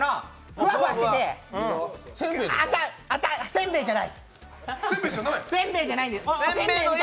ふわふわしてて、せんべいじゃないです。